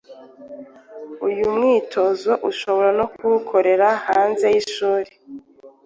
Uyu mwitozo mushobora no kuwukorera hanze y’ishuri,